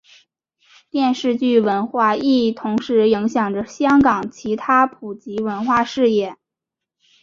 电视剧文化亦同时影响着香港其他普及文化事业。